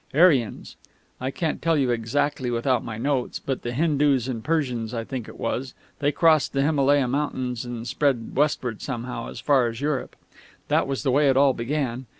Aryans. I can't tell you exactly without my notes, but the Hindoos and Persians, I think it was, they crossed the Himalaya Mountains and spread westward somehow, as far as Europe. That was the way it all began.